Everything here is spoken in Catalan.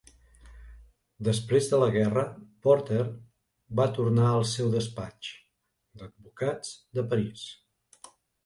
Després de la guerra, Porter va tornar al seu despatx d'advocat de París.